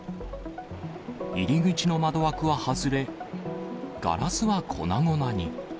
入り口の窓枠は外れ、ガラスは粉々に。